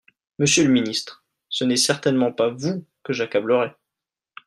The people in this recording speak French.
Monsieur le ministre, ce n’est certainement pas vous que j’accablerais.